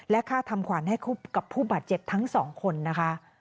และค่าทำขวานให้ผู้บัตรเจ็บทั้งสองคนนะคะ